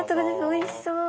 おいしそう！